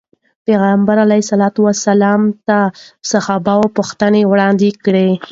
پيغمبر صلي الله علیه وسلم ته صحابي پوښتنې وړاندې کړې.